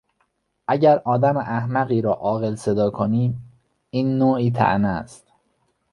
اگر آدم احمقی را عاقل صدا کنیم، این نوعی طعنه است.